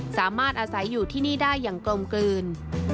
สามารถอาศัยอยู่ที่นี่ได้อย่างกลมกลืน